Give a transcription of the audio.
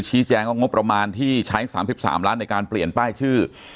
แจ้งว่างบประมาณที่ใช้๓๓ล้านในการเปลี่ยนป้ายชื่อ